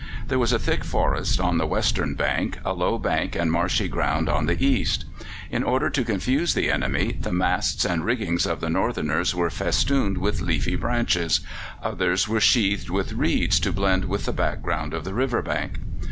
There was a thick forest on the western bank, a low bank and marshy ground on the east. In order to confuse the enemy, the masts and rigging of the Northerners were festooned with leafy branches; others were sheathed with reeds to blend with the background of the river bank.